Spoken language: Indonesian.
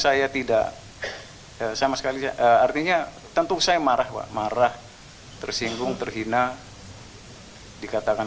saya tidak sama sekali artinya tentu saya marah pak marah tersinggung terhina dikatakan